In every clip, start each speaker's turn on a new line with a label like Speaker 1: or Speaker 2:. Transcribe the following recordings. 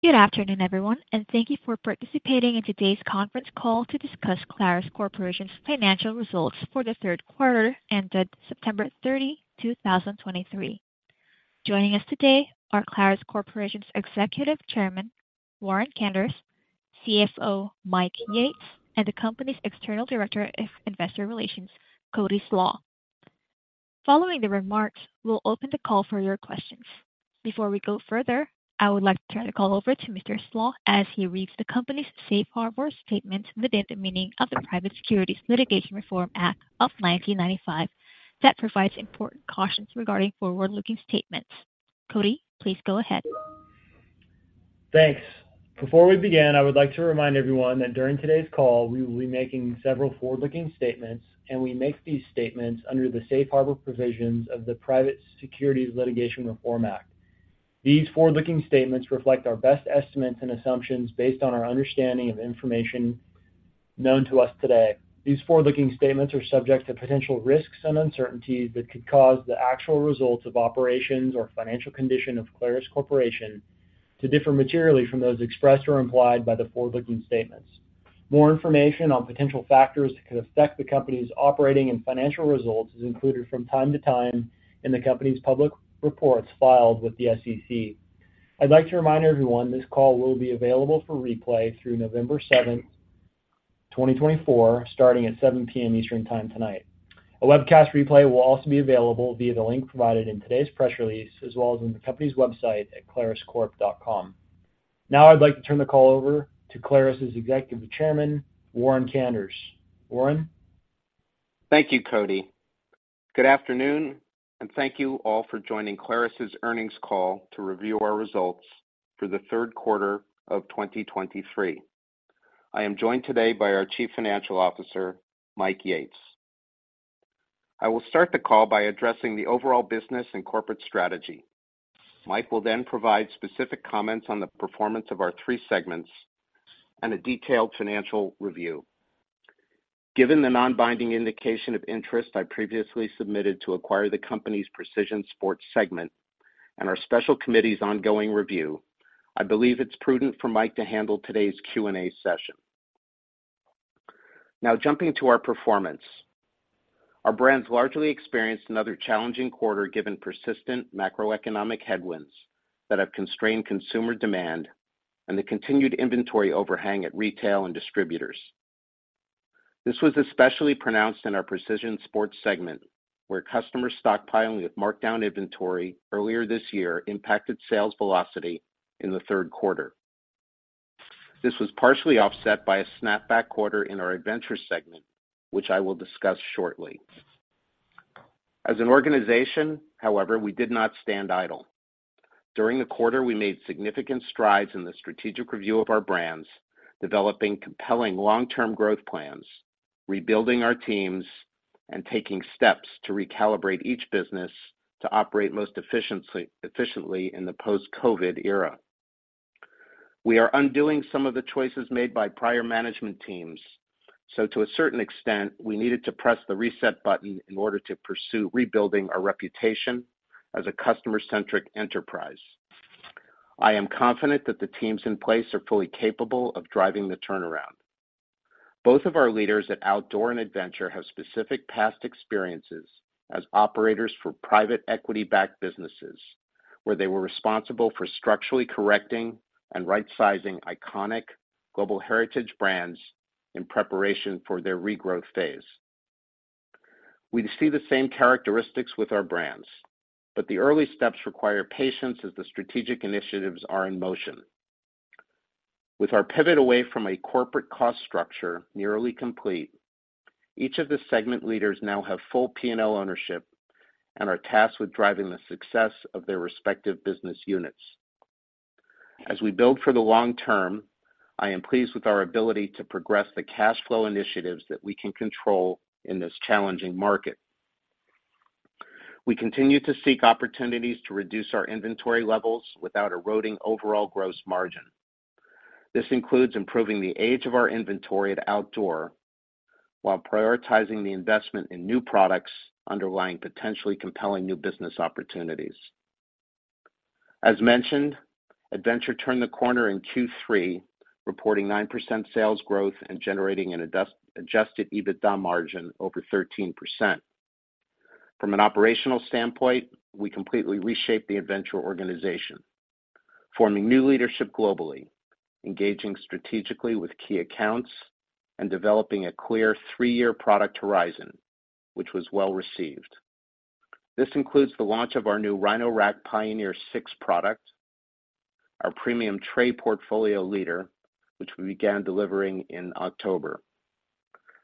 Speaker 1: Good afternoon, everyone, and thank you for participating in today's conference call to discuss Clarus Corporation's financial results for the Q3 ended September 30, 2023. Joining us today are Clarus Corporation's Executive Chairman, Warren Kanders, CFO, Mike Yates, and the company's External Director of Investor Relations, Cody Slach. Following the remarks, we'll open the call for your questions. Before we go further, I would like to turn the call over to Mr. Slach as he reads the company's safe harbor statement within the meaning of the Private Securities Litigation Reform Act of 1995. That provides important cautions regarding forward-looking statements. Cody, please go ahead.
Speaker 2: Thanks. Before we begin, I would like to remind everyone that during today's call, we will be making several forward-looking statements, and we make these statements under the safe harbor provisions of the Private Securities Litigation Reform Act. These forward-looking statements reflect our best estimates and assumptions based on our understanding of information known to us today. These forward-looking statements are subject to potential risks and uncertainties that could cause the actual results of operations or financial condition of Clarus Corporation to differ materially from those expressed or implied by the forward-looking statements. More information on potential factors that could affect the company's operating and financial results is included from time-to-time in the company's public reports filed with the SEC. I'd like to remind everyone, this call will be available for replay through November 7, 2024, starting at 7 P.M. Eastern Time tonight. A webcast replay will also be available via the link provided in today's press release, as well as on the company's website at claruscorp.com. Now, I'd like to turn the call over to Clarus's Executive Chairman, Warren Kanders. Warren?
Speaker 3: Thank you, Cody. Good afternoon, and thank you all for joining Clarus's earnings call to review our results for the Q3 of 2023. I am joined today by our Chief Financial Officer, Mike Yates. I will start the call by addressing the overall business and corporate strategy. Mike will then provide specific comments on the performance of our three segments and a detailed financial review. Given the non-binding indication of interest I previously submitted to acquire the company's Precision Sports segment and our special committee's ongoing review, I believe it's prudent for Mike to handle today's Q&A session. Now, jumping to our performance. Our brands largely experienced another challenging quarter, given persistent macroeconomic headwinds that have constrained consumer demand and the continued inventory overhang at retail and distributors. This was especially pronounced in our Precision Sports segment, where customer stockpiling of markdown inventory earlier this year impacted sales velocity in the Q3. This was partially offset by a snapback quarter in our Adventure segment, which I will discuss shortly. As an organization, however, we did not stand idle. During the quarter, we made significant strides in the strategic review of our brands, developing compelling long-term growth plans, rebuilding our teams, and taking steps to recalibrate each business to operate most efficiently in the post-COVID era. We are undoing some of the choices made by prior management teams, so to a certain extent, we needed to press the reset button in order to pursue rebuilding our reputation as a customer-centric enterprise. I am confident that the teams in place are fully capable of driving the turnaround. Both of our leaders at Outdoor and Adventure have specific past experiences as operators for private equity-backed businesses, where they were responsible for structurally correcting and rightsizing iconic global heritage brands in preparation for their regrowth phase. We see the same characteristics with our brands, but the early steps require patience as the strategic initiatives are in motion. With our pivot away from a corporate cost structure nearly complete, each of the segment leaders now have full P&L ownership and are tasked with driving the success of their respective business units. As we build for the long term, I am pleased with our ability to progress the cash flow initiatives that we can control in this challenging market. We continue to seek opportunities to reduce our inventory levels without eroding overall gross margin. This includes improving the age of our inventory at Outdoor, while prioritizing the investment in new products underlying potentially compelling new business opportunities. As mentioned, Adventure turned the corner in Q3, reporting 9% sales growth and generating an adjusted EBITDA margin over 13%. From an operational standpoint, we completely reshaped the Adventure organization, forming new leadership globally, engaging strategically with key accounts, and developing a clear three-year product horizon, which was well received. This includes the launch of our new Rhino-Rack Pioneer 6 product, our premium trade portfolio leader, which we began delivering in October.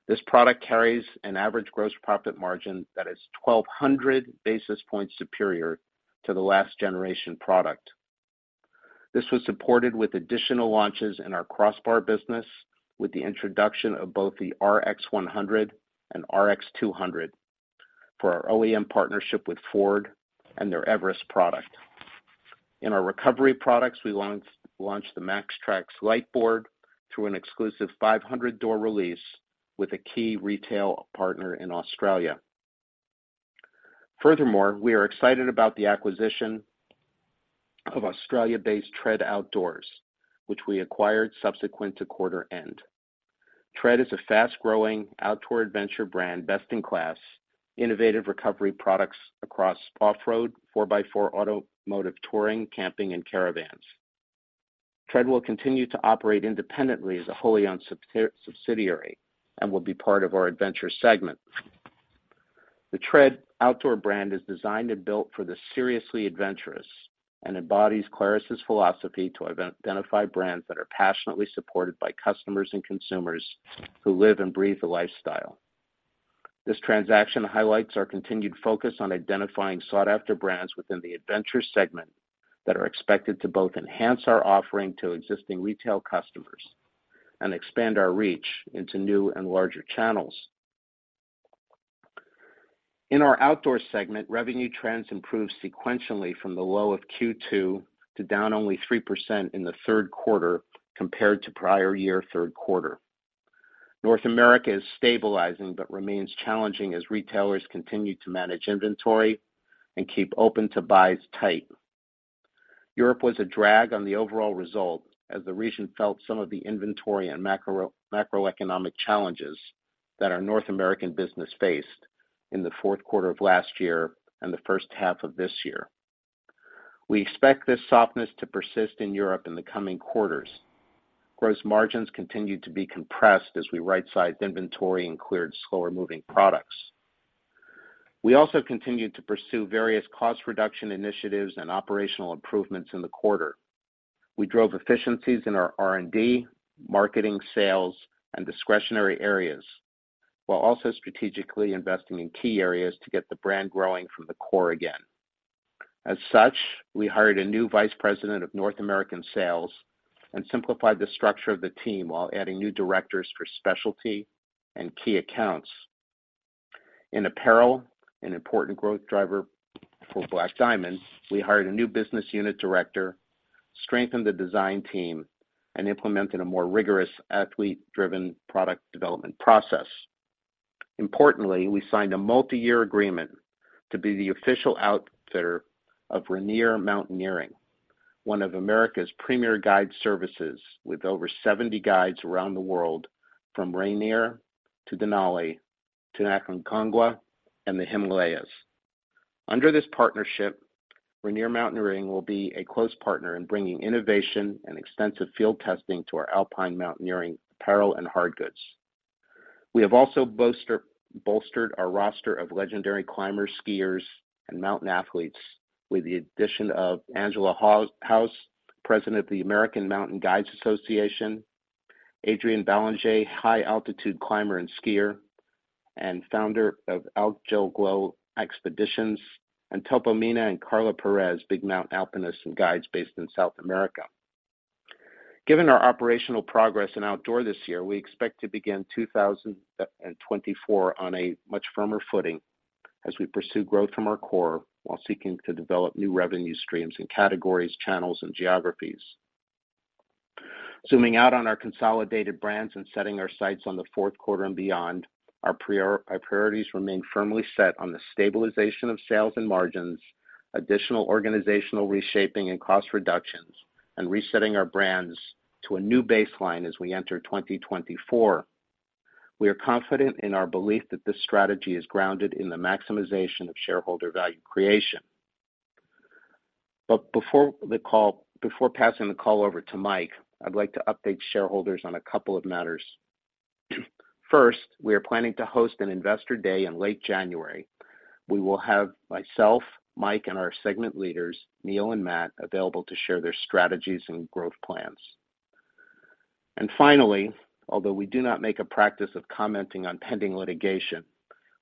Speaker 3: This product carries an average gross profit margin that is 1,200 basis points superior to the last generation product. This was supported with additional launches in our crossbar business, with the introduction of both the RX100 and RX200 for our OEM partnership with Ford and their Everest product. In our recovery products, we launched the MAXTRAX LITE through an exclusive 500-door release with a key retail partner in Australia. Furthermore, we are excited about the acquisition of Australia-based TRED Outdoors, which we acquired subsequent to quarter end. TRED is a fast-growing outdoor adventure brand, best-in-class, innovative recovery products across off-road, four-by-four, automotive touring, camping, and caravans. TRED will continue to operate independently as a wholly-owned subsidiary and will be part of our adventure segment. The TRED outdoor brand is designed and built for the seriously adventurous and embodies Clarus's philosophy to identify brands that are passionately supported by customers and consumers who live and breathe the lifestyle. This transaction highlights our continued focus on identifying sought-after brands within the adventure segment that are expected to both enhance our offering to existing retail customers and expand our reach into new and larger channels. In our outdoor segment, revenue trends improved sequentially from the low of Q2 to down only 3% in the Q3 compared to prior year Q3. North America is stabilizing but remains challenging as retailers continue to manage inventory and keep open-to-buys tight. Europe was a drag on the overall result as the region felt some of the inventory and macroeconomic challenges that our North American business faced in the Q4 of last year and the H1 of this year. We expect this softness to persist in Europe in the coming quarters. Gross margins continued to be compressed as we right-sized inventory and cleared slower-moving products. We also continued to pursue various cost reduction initiatives and operational improvements in the quarter. We drove efficiencies in our R&D, marketing, sales, and discretionary areas, while also strategically investing in key areas to get the brand growing from the core again. As such, we hired a new vice president of North American sales and simplified the structure of the team while adding new directors for specialty and key accounts. In apparel, an important growth driver for Black Diamond, we hired a new business unit director, strengthened the design team, and implemented a more rigorous athlete-driven product development process. Importantly, we signed a multiyear agreement to be the official outfitter of Rainier Mountaineering, one of America's premier guide services, with over 70 guides around the world, from Rainier to Denali to Aconcagua and the Himalayas. Under this partnership, Rainier Mountaineering will be a close partner in bringing innovation and extensive field testing to our alpine mountaineering, apparel, and hard goods. We have also bolstered our roster of legendary climbers, skiers, and mountain athletes with the addition of Angela Hawse, president of the American Mountain Guides Association, Adrian Ballinger, high altitude climber and skier, and founder of Alpenglow Expeditions, and Topo Mena and Carla Perez, big mountain alpinists and guides based in South America. Given our operational progress in outdoor this year, we expect to begin 2024 on a much firmer footing as we pursue growth from our core while seeking to develop new revenue streams in categories, channels, and geographies. Zooming out on our consolidated brands and setting our sights on the Q4 and beyond, our priorities remain firmly set on the stabilization of sales and margins, additional organizational reshaping and cost reductions, and resetting our brands to a new baseline as we enter 2024. We are confident in our belief that this strategy is grounded in the maximization of shareholder value creation. But before passing the call over to Mike, I'd like to update shareholders on a couple of matters. First, we are planning to host an Investor Day in late January. We will have myself, Mike, and our segment leaders, Neil and Matt, available to share their strategies and growth plans. Finally, although we do not make a practice of commenting on pending litigation,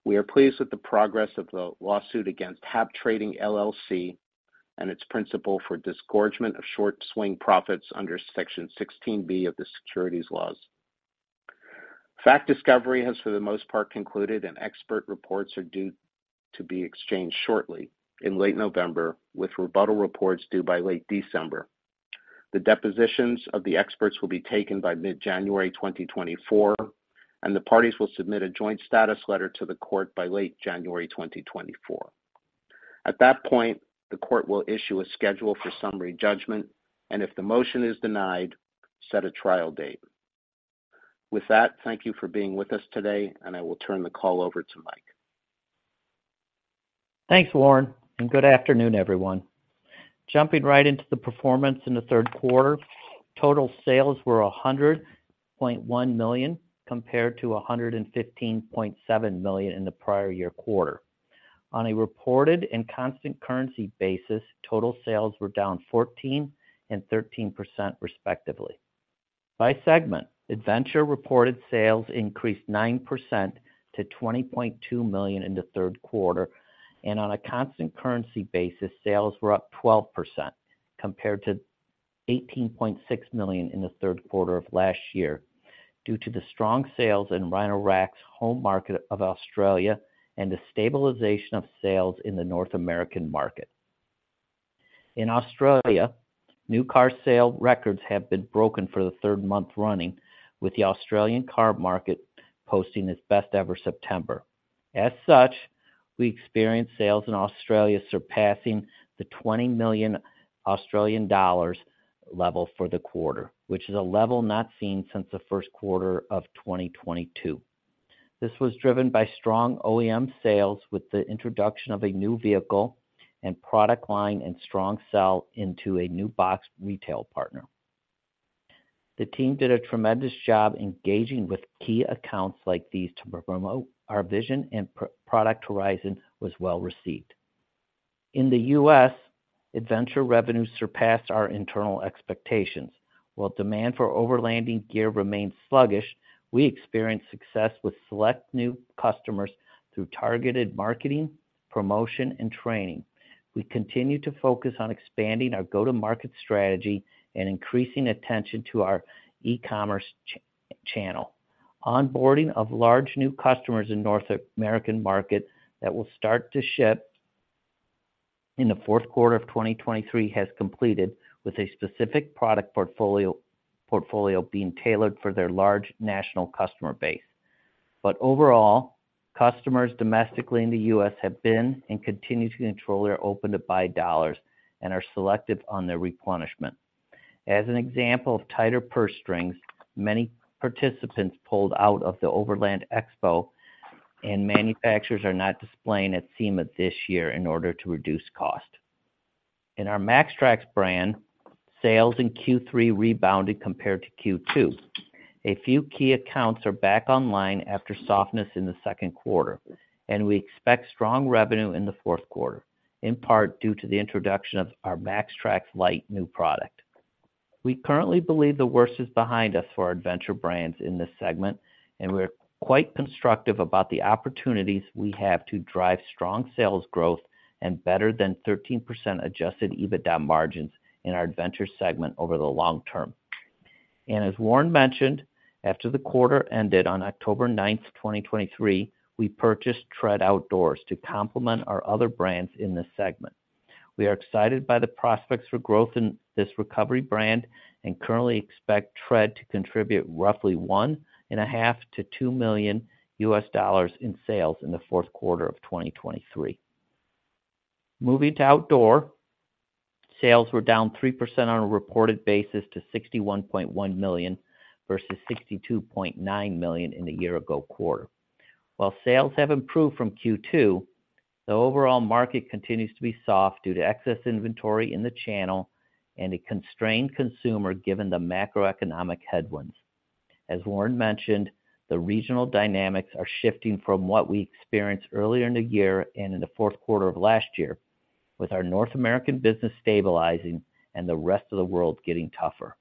Speaker 3: we are pleased with the progress of the lawsuit against Hab Trading LLC and its Principal for disgorgement of short-swing profits under Section 16(b) of the securities laws. Fact discovery has, for the most part, concluded, and expert reports are due to be exchanged shortly in late November, with rebuttal reports due by late December. The depositions of the experts will be taken by mid-January 2024, and the parties will submit a joint status letter to the Court by late January 2024. At that point, the Court will issue a schedule for summary judgment, and if the motion is denied, set a trial date. With that, thank you for being with us today, and I will turn the call over to Mike.
Speaker 4: Thanks, Warren, and good afternoon, everyone. Jumping right into the performance in the Q3, total sales were $100.1 million, compared to $115.7 million in the prior year quarter. On a reported and constant currency basis, total sales were down 14% and 13%, respectively. By segment, Adventure reported sales increased 9% to $20.2 million in the Q3, and on a constant currency basis, sales were up 12% compared to $18.6 million in the Q3 of last year, due to the strong sales in Rhino-Rack's home market of Australia and the stabilization of sales in the North American market.... In Australia, new car sale records have been broken for the third month running, with the Australian car market posting its best-ever September. As such, we experienced sales in Australia surpassing the 20 million Australian dollars level for the quarter, which is a level not seen since the Q1 of 2022. This was driven by strong OEM sales, with the introduction of a new vehicle and product line and strong sell into a new box retail partner. The team did a tremendous job engaging with key accounts like these to promote our vision, and product horizon was well received. In the U.S., adventure revenues surpassed our internal expectations. While demand for overlanding gear remains sluggish, we experienced success with select new customers through targeted marketing, promotion, and training. We continue to focus on expanding our go-to-market strategy and increasing attention to our e-commerce channel. Onboarding of large new customers in North American market that will start to ship in the Q4 of 2023 has completed, with a specific product portfolio, portfolio being tailored for their large national customer base. But overall, customers domestically in the U.S. have been and continue to control their open-to-buy dollars and are selective on their replenishment. As an example of tighter purse strings, many participants pulled out of the Overland Expo, and manufacturers are not displaying at SEMA this year in order to reduce cost. In our MAXTRAX brand, sales in Q3 rebounded compared to Q2. A few key accounts are back online after softness in the Q2, and we expect strong revenue in the Q4, in part due to the introduction of our MAXTRAX Lite new product. We currently believe the worst is behind us for our Adventure brands in this segment, and we're quite constructive about the opportunities we have to drive strong sales growth and better than 13% adjusted EBITDA margins in our Adventure segment over the long term. As Warren mentioned, after the quarter ended on October 9th, 2023, we purchased TRED Outdoors to complement our other brands in this segment. We are excited by the prospects for growth in this recovery brand and currently expect TRED to contribute roughly $1.5 million-$2 million in sales in the Q4 of 2023. Moving to Outdoor, sales were down 3% on a reported basis to $61.1 million versus $62.9 million in the year-ago quarter. While sales have improved from Q2, the overall market continues to be soft due to excess inventory in the channel and a constrained consumer given the macroeconomic headwinds. As Warren mentioned, the regional dynamics are shifting from what we experienced earlier in the year and in the Q4 of last year, with our North American business stabilizing and the rest of the world getting tougher.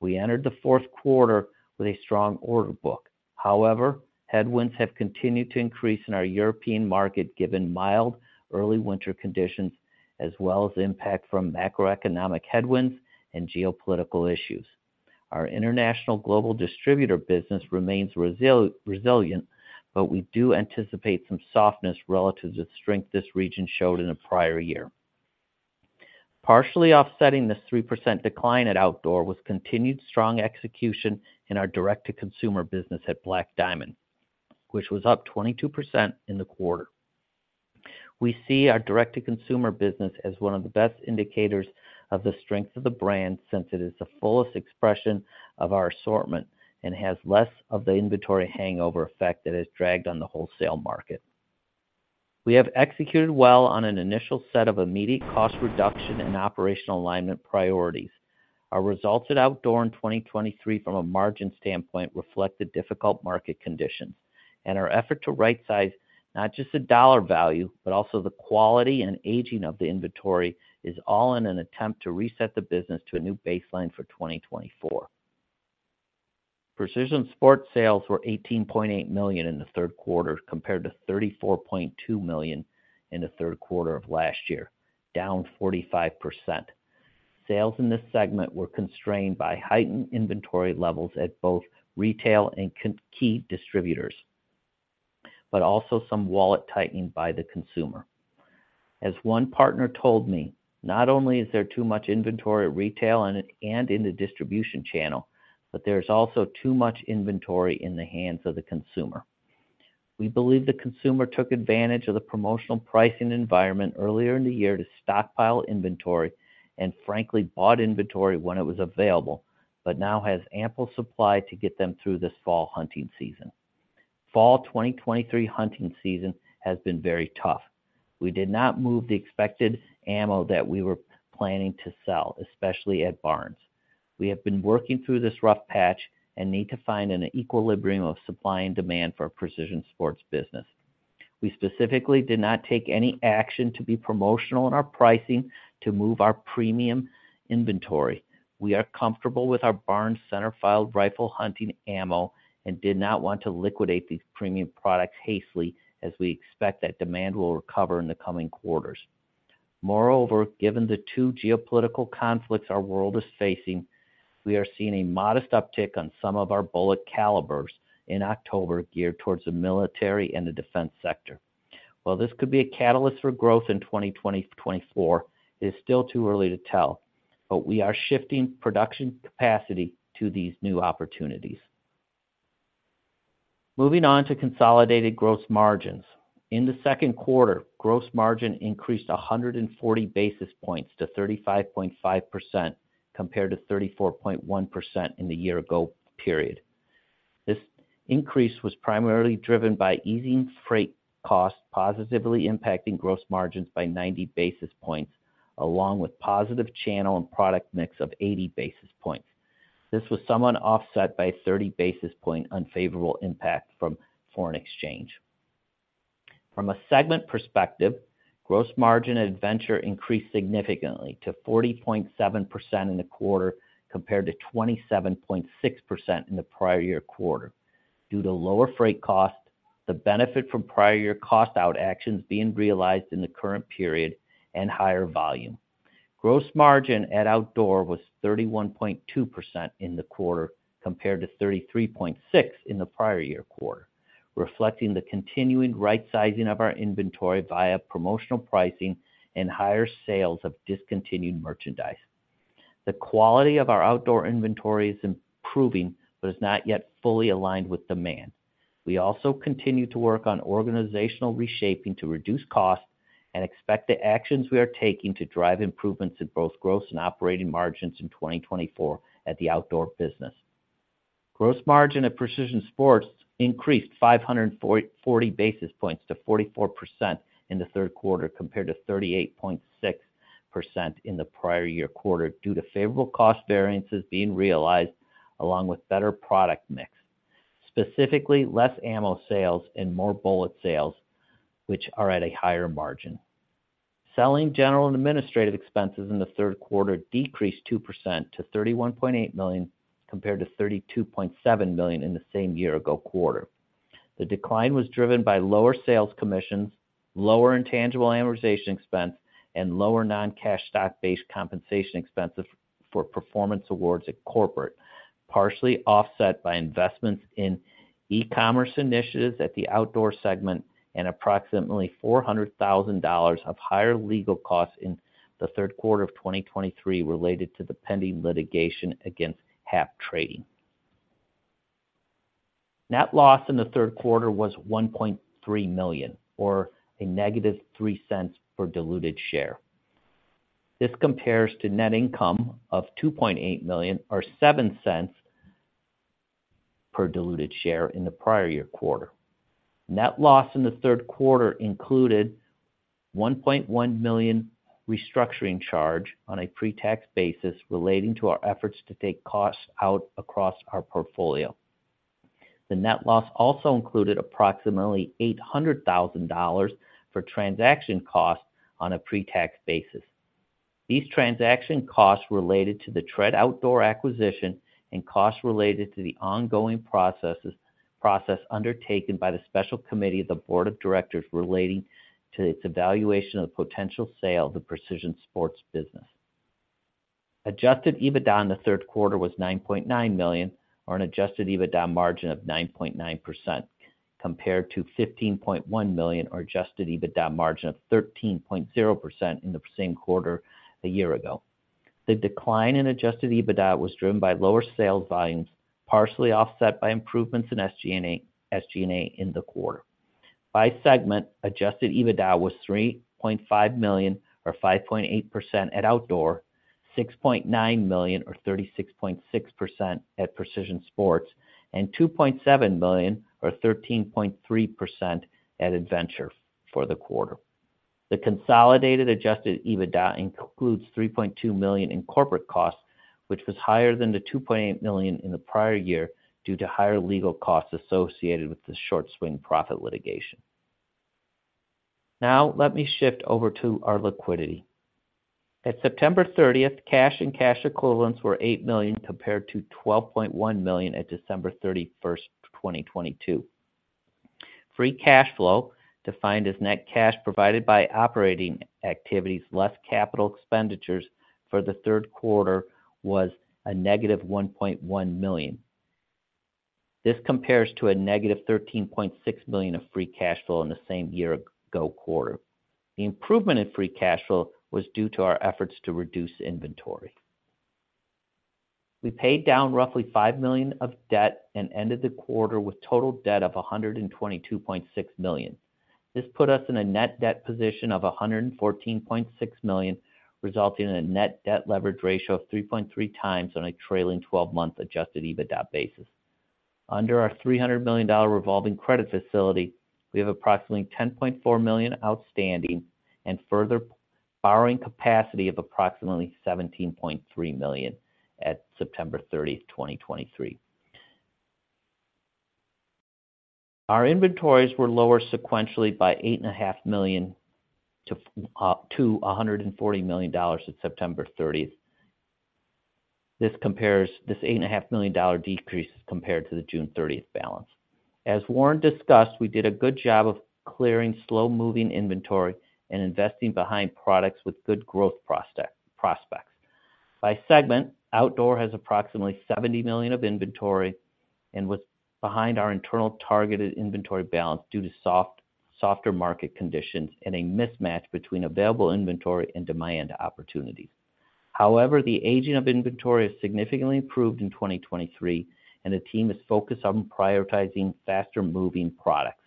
Speaker 4: We entered the Q4 with a strong order book. However, headwinds have continued to increase in our European market, given mild early winter conditions, as well as impact from macroeconomic headwinds and geopolitical issues. Our international global distributor business remains resilient, but we do anticipate some softness relative to the strength this region showed in the prior year. Partially offsetting this 3% decline at outdoor was continued strong execution in our direct-to-consumer business at Black Diamond, which was up 22% in the quarter. We see our direct-to-consumer business as one of the best indicators of the strength of the brand, since it is the fullest expression of our assortment and has less of the inventory hangover effect that has dragged on the wholesale market. We have executed well on an initial set of immediate cost reduction and operational alignment priorities. Our results at outdoor in 2023 from a margin standpoint reflect the difficult market conditions and our effort to right size not just the dollar value, but also the quality and aging of the inventory, is all in an attempt to reset the business to a new baseline for 2024. Precision Sports sales were $18.8 million in the Q3, compared to $34.2 million in the Q3 of last year, down 45%. Sales in this segment were constrained by heightened inventory levels at both retail and key distributors, but also some wallet tightening by the consumer. As one partner told me, "Not only is there too much inventory at retail and in the distribution channel, but there's also too much inventory in the hands of the consumer." We believe the consumer took advantage of the promotional pricing environment earlier in the year to stockpile inventory and frankly, bought inventory when it was available, but now has ample supply to get them through this fall hunting season. Fall 2023 hunting season has been very tough. We did not move the expected ammo that we were planning to sell, especially at Barnes. We have been working through this rough patch and need to find an equilibrium of supply and demand for our precision sports business. We specifically did not take any action to be promotional in our pricing to move our premium inventory. We are comfortable with our Barnes centerfire rifle hunting ammo and did not want to liquidate these premium products hastily, as we expect that demand will recover in the coming quarters. Moreover, given the two geopolitical conflicts our world is facing. We are seeing a modest uptick on some of our bullet calibers in October, geared towards the military and the defense sector. While this could be a catalyst for growth in 2024, it is still too early to tell, but we are shifting production capacity to these new opportunities. Moving on to consolidated gross margins. In the Q2, gross margin increased 140 basis points to 35.5%, compared to 34.1% in the year ago period. This increase was primarily driven by easing freight costs, positively impacting gross margins by 90 basis points, along with positive channel and product mix of 80 basis points. This was somewhat offset by a 30 basis point unfavorable impact from foreign exchange. From a segment perspective, gross margin at Adventure increased significantly to 40.7% in the quarter, compared to 27.6% in the prior year quarter, due to lower freight costs, the benefit from prior year cost out actions being realized in the current period and higher volume. Gross margin at Outdoor was 31.2% in the quarter, compared to 33.6% in the prior year quarter, reflecting the continuing rightsizing of our inventory via promotional pricing and higher sales of discontinued merchandise. The quality of our outdoor inventory is improving, but is not yet fully aligned with demand. We also continue to work on organizational reshaping to reduce costs and expect the actions we are taking to drive improvements in both gross and operating margins in 2024 at the outdoor business. Gross margin at Precision Sports increased 540 basis points to 44% in the Q3, compared to 38.6% in the prior year quarter, due to favorable cost variances being realized along with better product mix, specifically less ammo sales and more bullet sales, which are at a higher margin. Selling, general and administrative expenses in the Q3 decreased 2% to $31.8 million, compared to $32.7 million in the same year-ago quarter. The decline was driven by lower sales commissions, lower intangible amortization expense, and lower non-cash stock-based compensation expenses for performance awards at corporate, partially offset by investments in e-commerce initiatives at the outdoor segment and approximately $400,000 of higher legal costs in the Q3 of 2023 related to the pending litigation against Half Trading. Net loss in the Q3 was $1.3 million, or -$0.03 per diluted share. This compares to net income of $2.8 million, or $0.07 per diluted share in the prior-year quarter. Net loss in the Q3 included $1.1 million restructuring charge on a pre-tax basis, relating to our efforts to take costs out across our portfolio. The net loss also included approximately $800,000 for transaction costs on a pre-tax basis. These transaction costs related to the TRED Outdoors acquisition and costs related to the ongoing process undertaken by the special committee of the board of directors, relating to its evaluation of the potential sale of the Precision Sports business. Adjusted EBITDA in the Q3 was $9.9 million or an adjusted EBITDA margin of 9.9%, compared to $15.1 million or adjusted EBITDA margin of 13.0% in the same quarter a year ago. The decline in adjusted EBITDA was driven by lower sales volumes, partially offset by improvements in SG&A, SG&A in the quarter. By segment, Adjusted EBITDA was $3.5 million or 5.8% at Outdoor, $6.9 million or 36.6% at Precision Sports, and $2.7 million or 13.3% at Adventure for the quarter. The consolidated Adjusted EBITDA includes $3.2 million in corporate costs, which was higher than the $2.8 million in the prior year due to higher legal costs associated with the short-swing profit litigation. Now let me shift over to our liquidity. At September 30, cash and cash equivalents were $8 million, compared to $12.1 million at December 31, 2022. Free cash flow, defined as net cash provided by operating activities less capital expenditures for the Q3, was a negative $1.1 million. This compares to a negative $13.6 million of free cash flow in the same year-ago quarter. The improvement in free cash flow was due to our efforts to reduce inventory. We paid down roughly $5 million of debt and ended the quarter with total debt of $122.6 million. This put us in a net debt position of $114.6 million, resulting in a Net Debt Leverage Ratio of 3.3x on a trailing 12-month Adjusted EBITDA basis. Under our $300 million revolving credit facility, we have approximately $10.4 million outstanding and further borrowing capacity of approximately $17.3 million at September 30, 2023. Our inventories were lower sequentially by $8.5 million-$140 million at September 30, 2023. This $8.5 million decrease is compared to the June 30 balance. As Warren discussed, we did a good job of clearing slow-moving inventory and investing behind products with good growth prospects. By segment, Outdoor has approximately $70 million of inventory and was behind our internal targeted inventory balance due to softer market conditions and a mismatch between available inventory and demand opportunities. However, the aging of inventory has significantly improved in 2023, and the team is focused on prioritizing faster-moving products.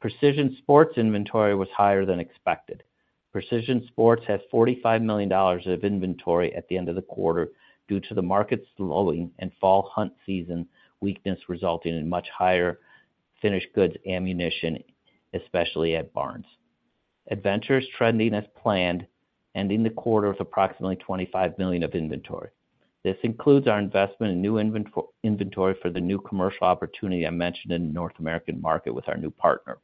Speaker 4: Precision Sports inventory was higher than expected. Precision Sports had $45 million of inventory at the end of the quarter due to the market slowing and fall hunt season weakness, resulting in much higher finished goods ammunition, especially at Barnes. Adventure is trending as planned, ending the quarter with approximately $25 million of inventory. This includes our investment in new inventory for the new commercial opportunity I mentioned in the North American market with our new partner.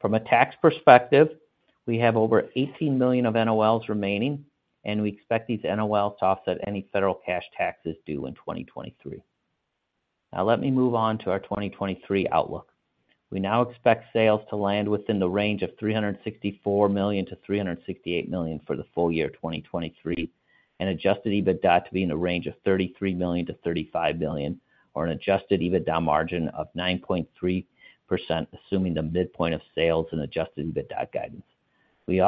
Speaker 4: From a tax perspective, we have over $18 million of NOLs remaining, and we expect these NOLs to offset any federal cash taxes due in 2023. Now let me move on to our 2023 outlook. We now expect sales to land within the range of $364 million-$368 million for the full year of 2023, and adjusted EBITDA to be in a range of $33 million-$35 million, or an adjusted EBITDA margin of 9.3%, assuming the midpoint of sales and adjusted EBITDA guidance. We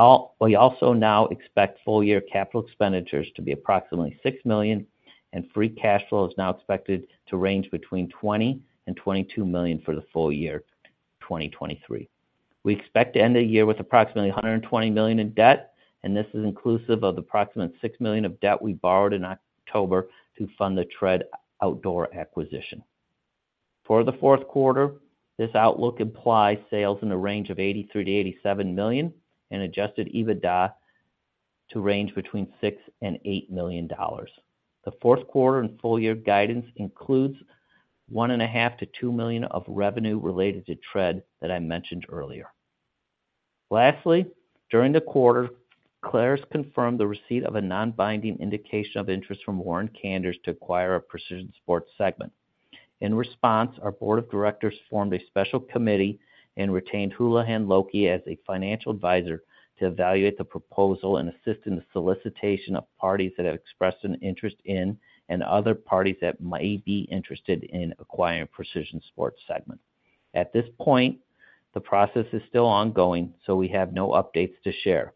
Speaker 4: also now expect full year capital expenditures to be approximately $6 million, and free cash flow is now expected to range between $20 million to $22 million for the full year, 2023. We expect to end the year with approximately $120 million in debt, and this is inclusive of the approximate $6 million of debt we borrowed in October to fund the TRED Outdoors acquisition. For the Q4, this outlook implies sales in the range of $83 million-$87 million and Adjusted EBITDA to range between $6 million to $8 million. The Q4 and full year guidance includes $1.5 million-$2 million of revenue related to TRED that I mentioned earlier. Lastly, during the quarter, Clarus confirmed the receipt of a non-binding indication of interest from Warren Kanders to acquire our Precision Sports segment. In response, our board of directors formed a special committee and retained Houlihan Lokey as a financial advisor to evaluate the proposal and assist in the solicitation of parties that have expressed an interest in, and other parties that may be interested in acquiring Precision Sports segment. At this point, the process is still ongoing, so we have no updates to share.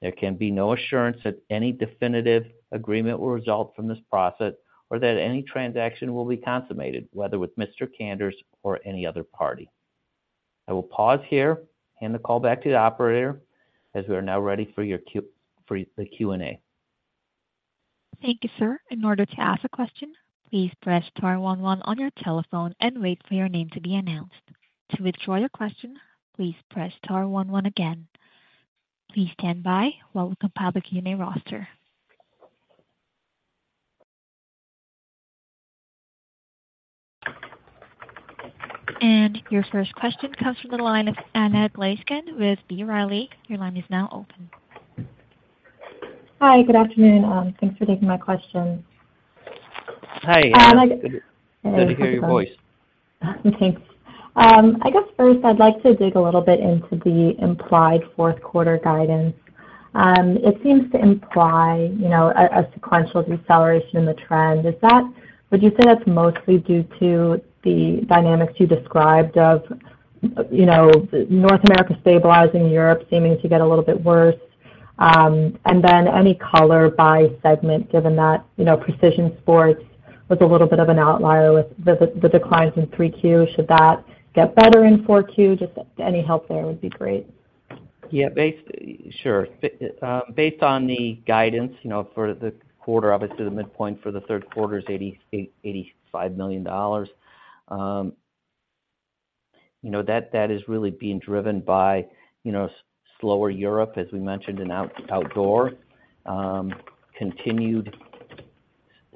Speaker 4: There can be no assurance that any definitive agreement will result from this process or that any transaction will be consummated, whether with Mr. Kanders or any other party. I will pause here, hand the call back to the operator, as we are now ready for your Q&A.
Speaker 1: Thank you, sir. In order to ask a question, please press star one one on your telephone and wait for your name to be announced. To withdraw your question, please press star one one again. Please stand by while we compile the Q&A roster. Your first question comes from the line of Anna Glaessgen with B. Riley. Your line is now open.
Speaker 5: Hi, good afternoon. Thanks for taking my question.
Speaker 4: Hi, Anna. Good to hear your voice.
Speaker 5: Thanks. I guess first I'd like to dig a little bit into the implied Q4 guidance. It seems to imply, you know, a sequential deceleration in the trend. Is that - would you say that's mostly due to the dynamics you described of, you know, North America stabilizing, Europe seeming to get a little bit worse? And then any color by segment, given that, you know, Precision Sports was a little bit of an outlier with the declines in 3Q. Should that get better in 4Q? Just any help there would be great.
Speaker 4: Yeah, sure. Based on the guidance, you know, for the quarter, obviously the midpoint for the Q3 is $85 million-$88 million. You know, that, that is really being driven by, you know, slower Europe, as we mentioned, and outdoor, continued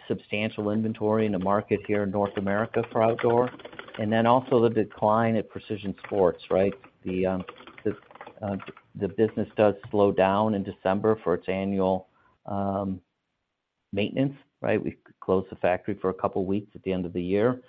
Speaker 4: substantial inventory in the market here in North America for outdoor, and then also the decline at Precision Sports, right? The business does slow down in December for its annual maintenance, right? We close the factory for a couple weeks at the end of the year.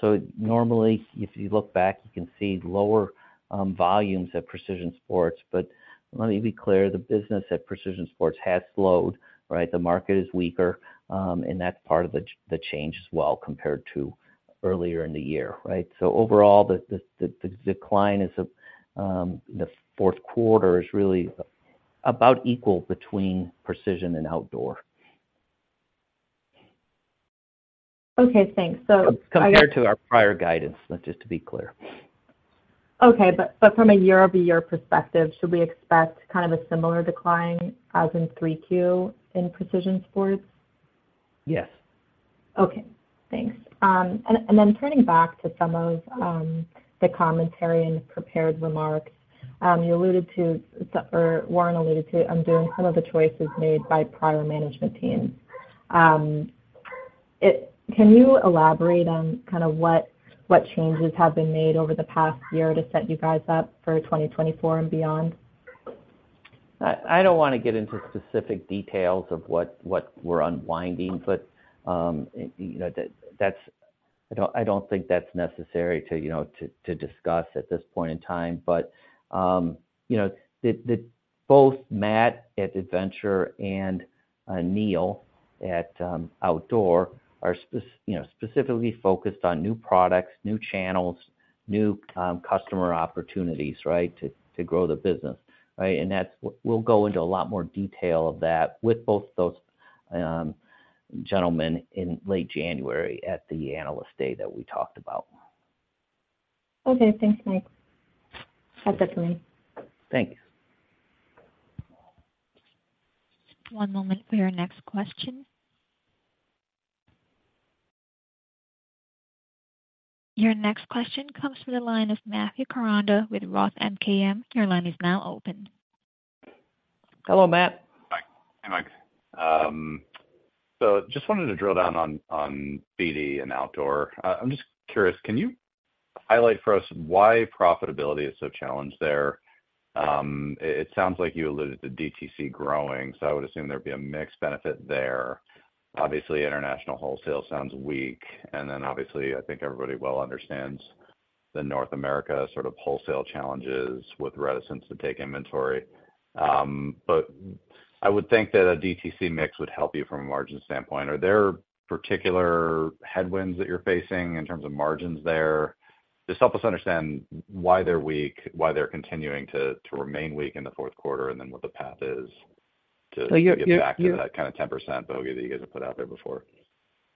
Speaker 4: So normally, if you look back, you can see lower volumes at Precision Sports. But let me be clear, the business at Precision Sports has slowed, right? The market is weaker, and that's part of the, the change as well, compared to earlier in the year, right? So overall, the decline is, the Q4 is really about equal between Precision and Outdoor.
Speaker 5: Okay, thanks.
Speaker 4: Compared to our prior guidance, just to be clear.
Speaker 5: Okay, but from a year-over-year perspective, should we expect kind of a similar decline as in Q3 in Precision Sports?
Speaker 4: Yes.
Speaker 5: Okay, thanks. And then turning back to some of the commentary and prepared remarks, you alluded to, or Warren alluded to, doing some of the choices made by prior management teams. Can you elaborate on kind of what, what changes have been made over the past year to set you guys up for 2024 and beyond?...
Speaker 4: I don't wanna get into specific details of what we're unwinding, but, you know, that's. I don't think that's necessary to, you know, to discuss at this point in time. But, you know, the. Both Matt at Adventure and Neil at Outdoor are, you know, specifically focused on new products, new channels, new customer opportunities, right, to grow the business, right? And that's. We'll go into a lot more detail of that with both those gentlemen in late January at the Analyst Day that we talked about.
Speaker 1: Okay. Thanks, Mike. That's it for me.
Speaker 4: Thanks.
Speaker 1: One moment for your next question. Your next question comes from the line of Matthew Koranda with Roth MKM. Your line is now open.
Speaker 4: Hello, Matt.
Speaker 6: Hi. Hey, Mike. So just wanted to drill down on BD and Outdoor. I'm just curious, can you highlight for us why profitability is so challenged there? It sounds like you alluded to DTC growing, so I would assume there'd be a mixed benefit there. Obviously, international wholesale sounds weak, and then obviously, I think everybody well understands the North America sort of wholesale challenges with reticence to take inventory. But I would think that a DTC mix would help you from a margin standpoint. Are there particular headwinds that you're facing in terms of margins there? Just help us understand why they're weak, why they're continuing to remain weak in the Q4, and then what the path is to-
Speaker 4: So you
Speaker 6: Get back to that kind of 10% bogey that you guys have put out there before.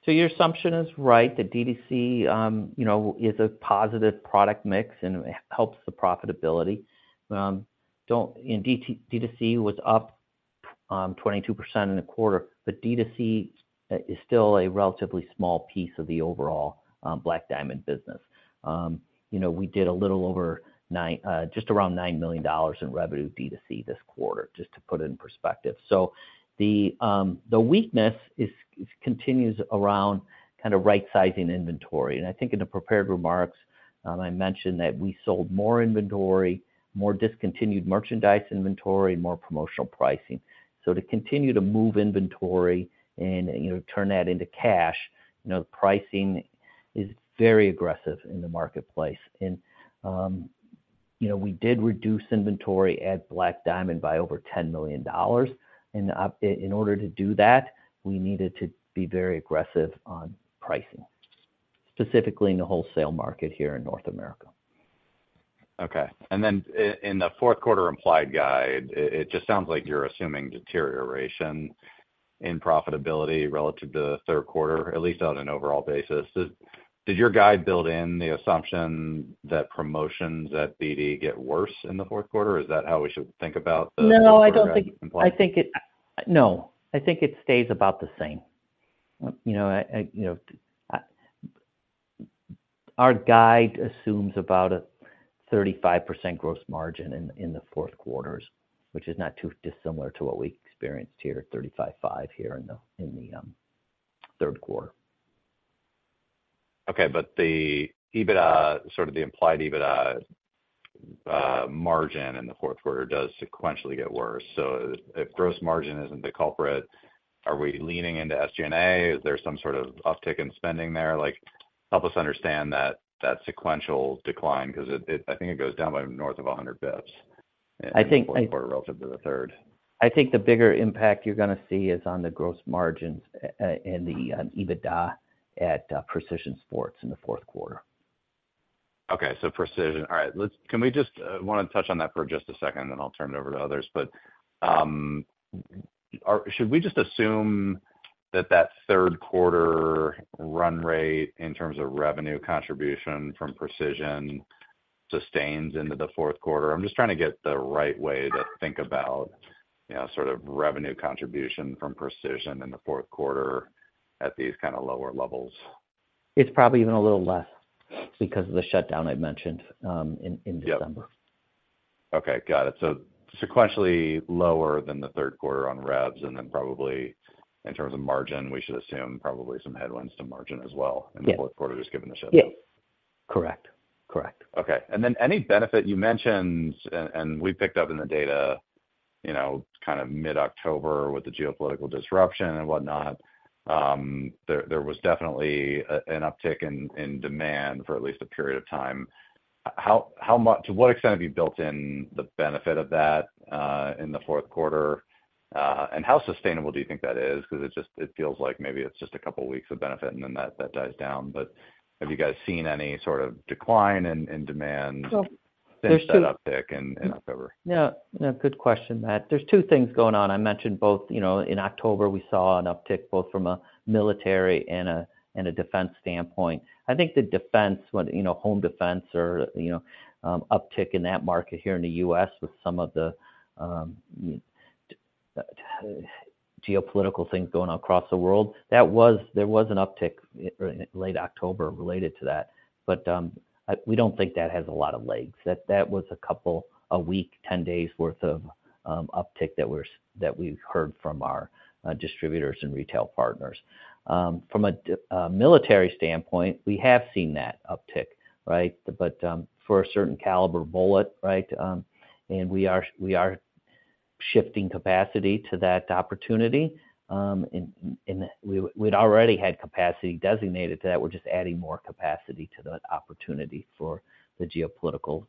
Speaker 4: So your assumption is right, that DTC, you know, is a positive product mix and it helps the profitability. And DTC was up 22% in the quarter, but DTC is still a relatively small piece of the overall Black Diamond business. You know, we did a little over nine, just around $9 million in revenue DTC this quarter, just to put it in perspective. So the weakness continues around kind of right-sizing inventory. And I think in the prepared remarks, I mentioned that we sold more inventory, more discontinued merchandise inventory, and more promotional pricing. So to continue to move inventory and, you know, turn that into cash, you know, the pricing is very aggressive in the marketplace. You know, we did reduce inventory at Black Diamond by over $10 million, and in order to do that, we needed to be very aggressive on pricing, specifically in the wholesale market here in North America.
Speaker 6: Okay. And then in the Q4 implied guide, it just sounds like you're assuming deterioration in profitability relative to the Q3, at least on an overall basis. Does your guide build in the assumption that promotions at BD get worse in the Q4, or is that how we should think about the-
Speaker 4: No, I don't think-
Speaker 6: -implied-
Speaker 4: I think it... No, I think it stays about the same. You know, our guide assumes about a 35% gross margin in the Q4, which is not too dissimilar to what we experienced here, 35.5 here in the Q3.
Speaker 6: Okay, but the EBITDA, sort of the implied EBITDA, margin in the Q4 does sequentially get worse. So if gross margin isn't the culprit, are we leaning into SG&A? Is there some sort of uptick in spending there? Like, help us understand that, that sequential decline, because it, it, I think it goes down by north of 100 basis points-
Speaker 4: I think-
Speaker 6: in the Q4 relative to the third.
Speaker 4: I think the bigger impact you're gonna see is on the gross margins and on EBITDA at Precision Sports in the Q4.
Speaker 6: Okay, so Precision. All right, can we just... I wanna touch on that for just a second, then I'll turn it over to others. But, should we just assume that, that Q3 run rate, in terms of revenue contribution from Precision, sustains into the Q4? I'm just trying to get the right way to think about, you know, sort of revenue contribution from Precision in the Q4 at these kind of lower levels.
Speaker 4: It's probably even a little less because of the shutdown I mentioned in December.
Speaker 6: Yep. Okay, got it. So sequentially lower than the Q3 on revs, and then probably, in terms of margin, we should assume probably some headwinds to margin as well-
Speaker 4: Yes...
Speaker 6: in the Q4, just given the shutdown.
Speaker 4: Yes. Correct. Correct.
Speaker 6: Okay. And then any benefit you mentioned, and we picked up in the data, you know, kind of mid-October with the geopolitical disruption and whatnot, there was definitely an uptick in demand for at least a period of time. How much—to what extent have you built in the benefit of that, in the Q4? And how sustainable do you think that is? Because it just—it feels like maybe it's just a couple of weeks of benefit and then that dies down. But have you guys seen any sort of decline in demand—
Speaker 4: So there's two-
Speaker 6: since that uptick in October?
Speaker 4: Yeah. Yeah, good question, Matt. There's two things going on. I mentioned both, you know, in October, we saw an uptick both from a military and a defense standpoint. I think the defense, when, you know, home defense or, you know, uptick in that market here in the U.S. with some of the, geopolitical things going on across the world, that was an uptick in late October related to that. But, we don't think that has a lot of legs. That, that was a couple, a week, 10 days worth of, uptick that we're, that we've heard from our, distributors and retail partners. From a military standpoint, we have seen that uptick, right? But, for a certain caliber bullet, right? And we are seeing shifting capacity to that opportunity. We'd already had capacity designated to that. We're just adding more capacity to the opportunity for the geopolitical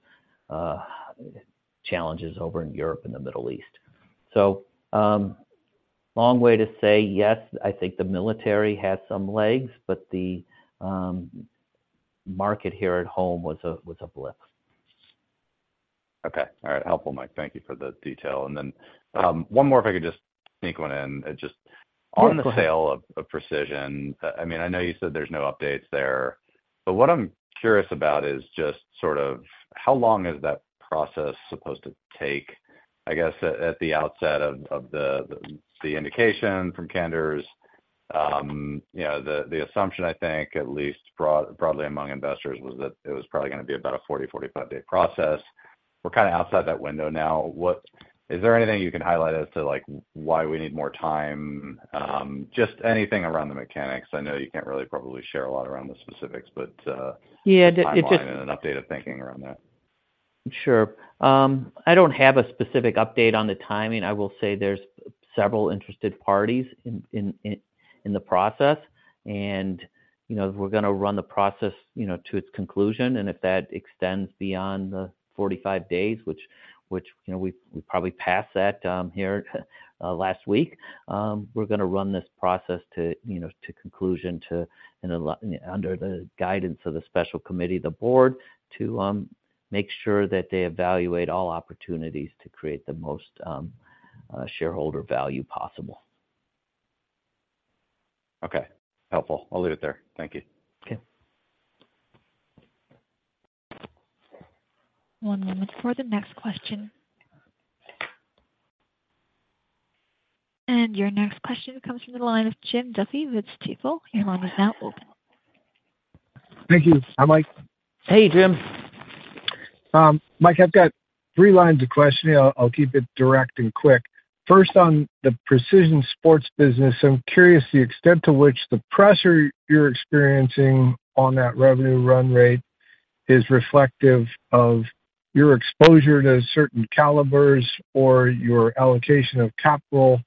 Speaker 4: challenges over in Europe and the Middle East. So, long way to say, yes, I think the military had some legs, but the market here at home was a blip.
Speaker 6: Okay. All right, helpful, Mike. Thank you for the detail. And then, one more, if I could just sneak one in. Just-
Speaker 4: Sure.
Speaker 6: On the sale of Precision, I mean, I know you said there's no updates there, but what I'm curious about is just sort of how long is that process supposed to take? I guess, at the outset of the indication from Kanders, you know, the assumption, I think at least broadly among investors, was that it was probably gonna be about a 40-45-day process. We're kind of outside that window now. What is there anything you can highlight as to, like, why we need more time? Just anything around the mechanics. I know you can't really probably share a lot around the specifics, but-
Speaker 4: Yeah, it just-
Speaker 6: timeline and an update of thinking around that.
Speaker 4: Sure. I don't have a specific update on the timing. I will say there's several interested parties in the process, and, you know, we're gonna run the process, you know, to its conclusion. And if that extends beyond the 45 days, which, you know, we probably passed that here last week, we're gonna run this process to, you know, to conclusion, and under the guidance of the special committee, the board, to make sure that they evaluate all opportunities to create the most shareholder value possible.
Speaker 6: Okay, helpful. I'll leave it there. Thank you.
Speaker 4: Okay.
Speaker 1: One moment for the next question. Your next question comes from the line of Jim Duffy with Stifel. Your line is now open.
Speaker 7: Thank you. Hi, Mike.
Speaker 4: Hey, Jim.
Speaker 7: Mike, I've got three lines of questioning. I'll keep it direct and quick. First, on the Precision Sports business, I'm curious the extent to which the pressure you're experiencing on that revenue run rate is reflective of your exposure to certain calibers or your allocation of capital,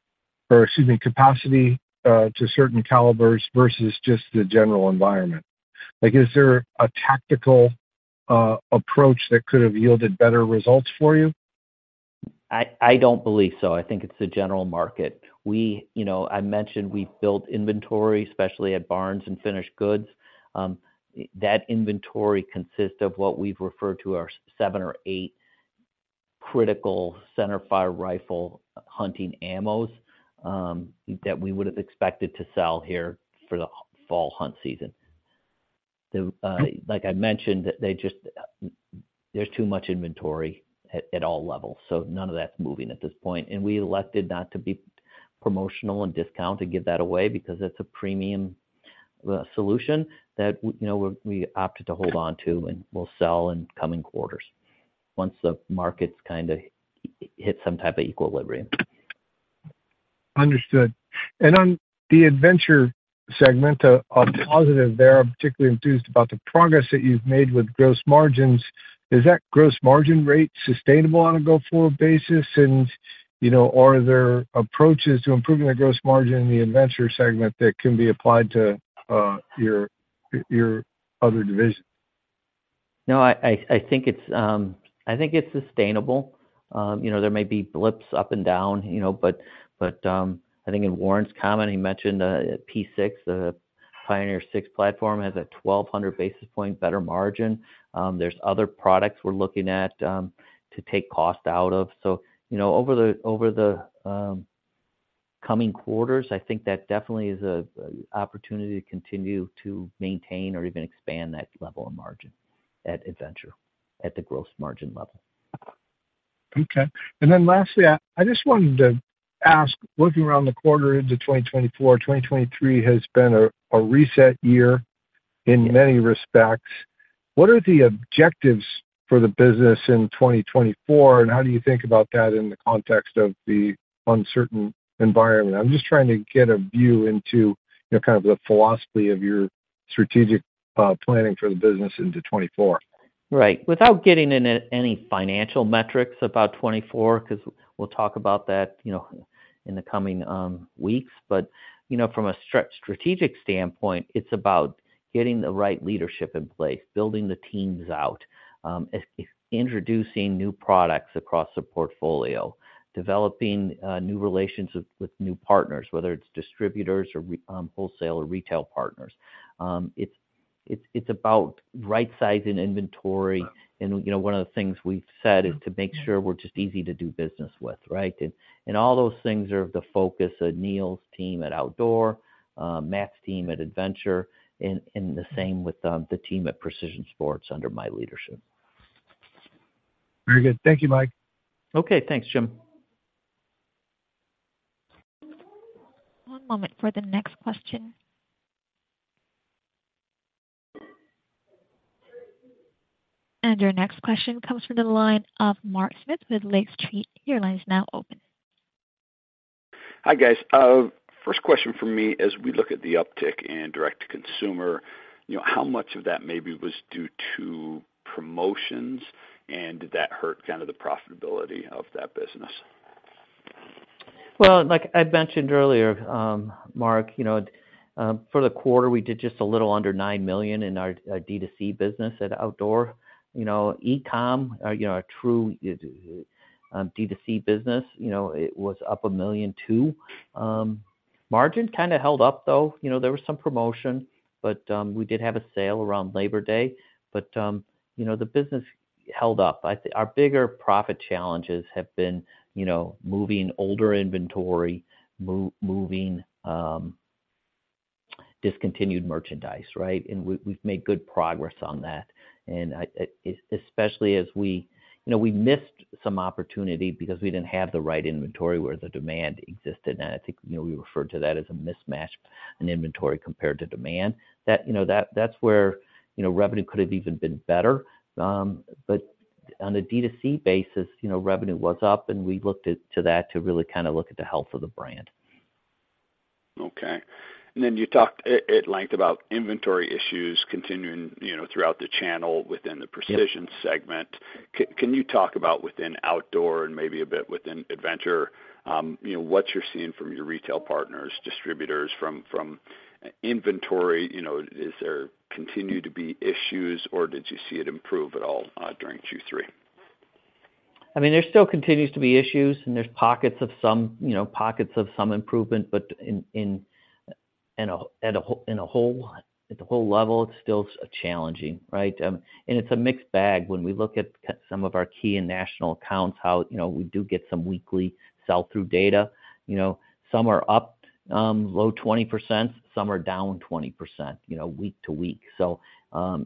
Speaker 7: or excuse me, capacity, to certain calibers versus just the general environment. Like, is there a tactical approach that could have yielded better results for you?
Speaker 4: I don't believe so. I think it's the general market. We. You know, I mentioned we've built inventory, especially at Barnes and Finished Goods. That inventory consists of what we've referred to as seven or eight critical centerfire rifle hunting ammos, that we would have expected to sell here for the fall hunt season. Like I mentioned, there's too much inventory at all levels, so none of that's moving at this point. And we elected not to be promotional and discount to give that away because it's a premium solution that, you know, we opted to hold on to and will sell in coming quarters once the markets kind of hit some type of equilibrium.
Speaker 7: Understood. And on the Adventure segment, a positive there, I'm particularly enthused about the progress that you've made with gross margins. Is that gross margin rate sustainable on a go-forward basis? And, you know, are there approaches to improving that gross margin in the Adventure segment that can be applied to your other divisions?
Speaker 4: No, I think it's sustainable. You know, there may be blips up and down, you know, but I think in Warren's comment, he mentioned P6, the Pioneer 6 Platform, has a 1,200 basis point better margin. There's other products we're looking at to take cost out of. So, you know, over the coming quarters, I think that definitely is an opportunity to continue to maintain or even expand that level of margin at Adventure, at the gross margin level.
Speaker 7: Okay. Then lastly, I just wanted to ask, looking around the quarter into 2024, 2023 has been a reset year in many respects. What are the objectives for the business in 2024, and how do you think about that in the context of the uncertain environment? I'm just trying to get a view into, you know, kind of the philosophy of your strategic planning for the business into 2024.
Speaker 4: Right. Without getting into any financial metrics about 2024, because we'll talk about that, you know, in the coming weeks. But, you know, from a strategic standpoint, it's about getting the right leadership in place, building the teams out, introducing new products across the portfolio, developing new relationships with new partners, whether it's distributors or wholesale or retail partners. It's about right-sizing inventory. And, you know, one of the things we've said is to make sure we're just easy to do business with, right? And all those things are the focus of Neil's team at Outdoor, Matt's team at Adventure, and the same with the team at Precision Sports under my leadership.
Speaker 7: Very good. Thank you, Mike.
Speaker 4: Okay. Thanks, Jim.
Speaker 1: One moment for the next question. Your next question comes from the line of Mark Smith with Lake Street. Your line is now open....
Speaker 8: Hi, guys. First question for me, as we look at the uptick in direct-to-consumer, you know, how much of that maybe was due to promotions? And did that hurt kind of the profitability of that business?
Speaker 4: Well, like I mentioned earlier, Mark, you know, for the quarter, we did just a little under $9 million in our D2C business at Outdoor. You know, e-com, you know, our true D2C business, you know, it was up $1.2 million. Margin kind of held up, though. You know, there was some promotion, but we did have a sale around Labor Day. But, you know, the business held up. I think our bigger profit challenges have been, you know, moving older inventory, moving discontinued merchandise, right? And we, we've made good progress on that. And I especially as we... You know, we missed some opportunity because we didn't have the right inventory where the demand existed, and I think, you know, we referred to that as a mismatch in inventory compared to demand. You know, that's where, you know, revenue could have even been better. But on a D2C basis, you know, revenue was up, and we looked at to that to really kind of look at the health of the brand.
Speaker 8: Okay. And then you talked at length about inventory issues continuing, you know, throughout the channel within the-
Speaker 4: Yeah
Speaker 8: - Precision segment. Can you talk about within Outdoor and maybe a bit within Adventure, you know, what you're seeing from your retail partners, distributors, from inventory? You know, is there continue to be issues, or did you see it improve at all during Q3?
Speaker 4: I mean, there still continues to be issues, and there's pockets of some, you know, pockets of some improvement, but at the whole level, it's still challenging, right? And it's a mixed bag. When we look at some of our key and national accounts, you know, we do get some weekly sell-through data. You know, some are up low 20%, some are down 20%, you know, week to week. So,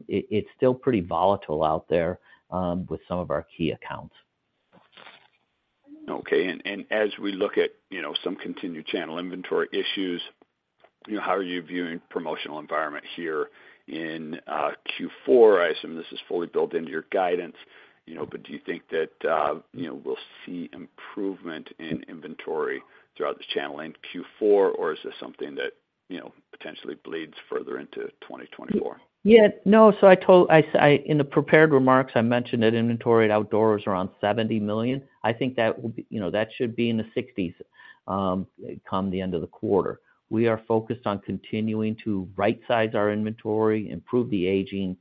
Speaker 4: it's still pretty volatile out there with some of our key accounts.
Speaker 8: Okay. And as we look at, you know, some continued channel inventory issues, you know, how are you viewing promotional environment here in Q4? I assume this is fully built into your guidance, you know, but do you think that you know, we'll see improvement in inventory throughout the channel in Q4, or is this something that, you know, potentially bleeds further into 2024?
Speaker 4: Yeah. No, so in the prepared remarks, I mentioned that inventory at Outdoor was around $70 million. I think that will be... You know, that should be in the 60s come the end of the quarter. We are focused on continuing to rightsize our inventory, improve the aging,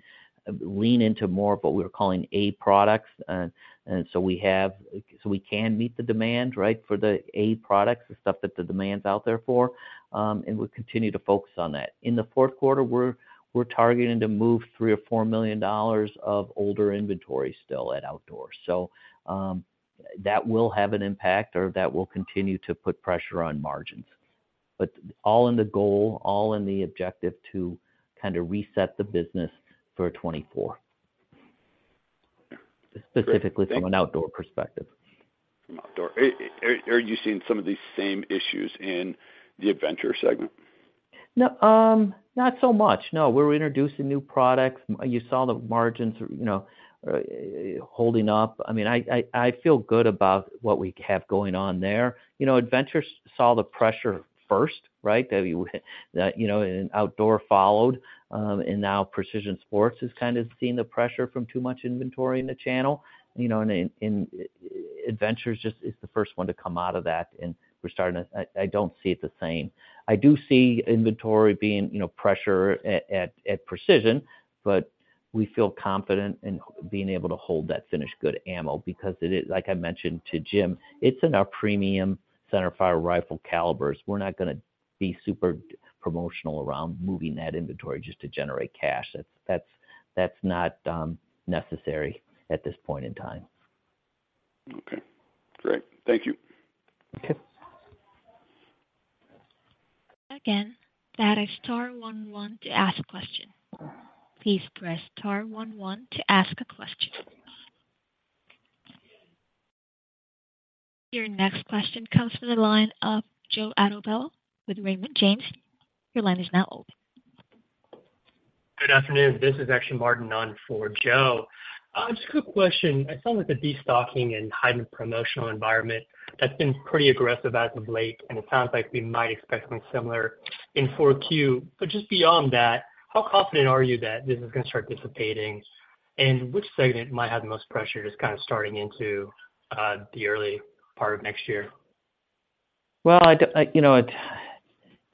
Speaker 4: lean into more of what we're calling A products, and so we have - so we can meet the demand, right, for the A products, the stuff that the demand's out there for, and we continue to focus on that. In the Q4, we're targeting to move $3 million-$4 million of older inventory still at Outdoor. So, that will have an impact or that will continue to put pressure on margins. But all in the goal, all in the objective to kind of reset the business for 2024.
Speaker 8: Great. Thank-
Speaker 4: Specifically from an Outdoor perspective.
Speaker 8: From Outdoor. Are you seeing some of these same issues in the Adventure segment?
Speaker 4: No, not so much. No, we're introducing new products. You saw the margins, you know, holding up. I mean, I feel good about what we have going on there. You know, Adventure saw the pressure first, right? That, you know, and Outdoor followed, and now Precision Sports is kind of seeing the pressure from too much inventory in the channel. You know, and Adventure is just the first one to come out of that, and we're starting to. I don't see it the same. I do see inventory being, you know, pressure at Precision, but we feel confident in being able to hold that finished good ammo because it is, like I mentioned to Jim, it's in our premium center fire rifle calibers. We're not gonna be super promotional around moving that inventory just to generate cash. That's not necessary at this point in time.
Speaker 8: Okay, great. Thank you.
Speaker 4: Okay.
Speaker 1: Again, dial star one one to ask a question. Please press star one one to ask a question. Your next question comes from the line of Joe Altobello with Raymond James. Your line is now open.
Speaker 9: Good afternoon. This is actually Martin Nunn for Joe. Just a quick question. I saw that the destocking and heightened promotional environment, that's been pretty aggressive as of late, and it sounds like we might expect something similar in 4Q. But just beyond that, how confident are you that this is gonna start dissipating? And which segment might have the most pressure, just kind of starting into the early part of next year?
Speaker 4: Well, I, you know,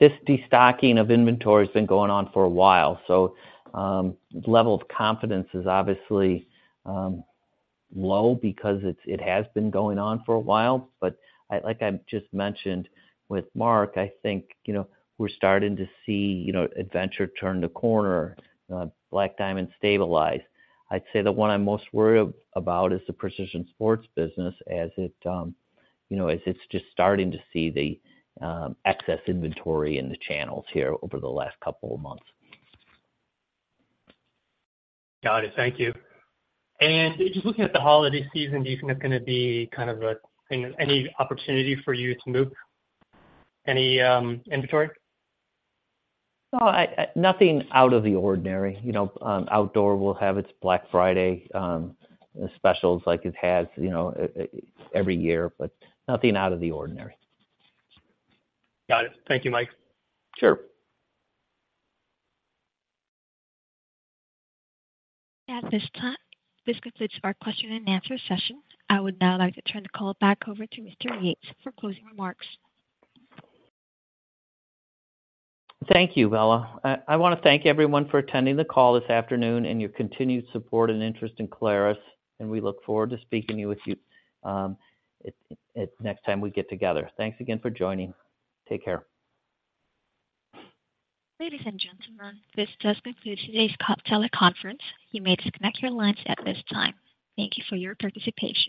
Speaker 4: this destocking of inventory has been going on for a while, so, level of confidence is obviously, low because it has been going on for a while. But I, like I just mentioned with Mark, I think, you know, we're starting to see, you know, Adventure turn the corner, Black Diamond stabilize. I'd say the one I'm most worried about is the Precision Sports business, as it, you know, as it's just starting to see the, excess inventory in the channels here over the last couple of months.
Speaker 10: Got it. Thank you. And just looking at the holiday season, do you think there's gonna be kind of a, any opportunity for you to move any, inventory?
Speaker 4: No, I, nothing out of the ordinary. You know, Outdoor will have its Black Friday specials like it has, you know, every year, but nothing out of the ordinary.
Speaker 9: Got it. Thank you, Mike.
Speaker 4: Sure.
Speaker 1: At this time, this concludes our question and answer session. I would now like to turn the call back over to Mr. Yates for closing remarks.
Speaker 4: Thank you, Bella. I want to thank everyone for attending the call this afternoon and your continued support and interest in Clarus, and we look forward to speaking you with you at next time we get together. Thanks again for joining. Take care.
Speaker 1: Ladies and gentlemen, this does conclude today's teleconference. You may disconnect your lines at this time. Thank you for your participation.